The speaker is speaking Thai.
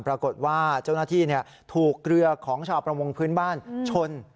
ปรากฏว่าเจ้าหน้าที่ถูกเรือของชาวประมงพื้นบ้านชน